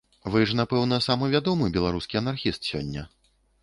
Вы ж, напэўна, самы вядомы беларускі анархіст сёння.